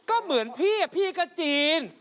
ก็เหมือนพี่พี่ก็จีน